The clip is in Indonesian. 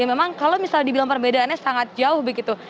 memang kalau misalnya dibilang perbedaannya sangat jauh begitu